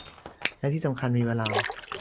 และที่สำคัญมีเวลา